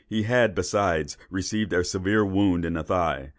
He had besides received a severe wound in the thigh.